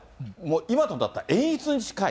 今となっては演出に近い。